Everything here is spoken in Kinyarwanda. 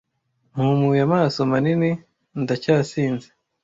mpumuye amaso manini ndacyasinze